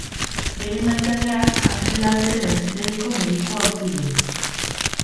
Bere maitaleak Angel Agirre auzitegiko medikua utzi du.